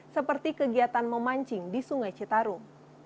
seperti kegiatan memancing di sungai citarum